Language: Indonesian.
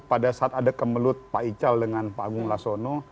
pada saat ada kemelut pak ical dengan pak agung lasono